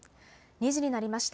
２時になりました。